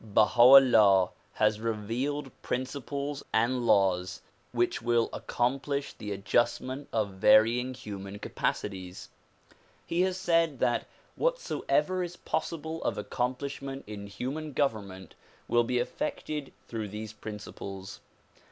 Baha 'Ullah has revealed principles and laws which will accom plish the adjustment of varying human capacities. He has said that whatsoever is possible of accomplishment in human government will be effected through these principles.